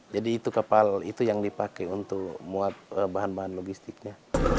jadi itu kapal yang dipakai untuk memuat bahan bahan logistiknya